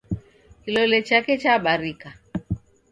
Kilole chake chabarika.